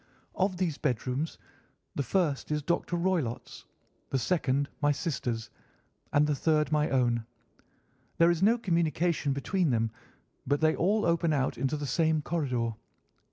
Of these bedrooms the first is Dr. Roylott's, the second my sister's, and the third my own. There is no communication between them, but they all open out into the same corridor.